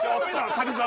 『旅猿』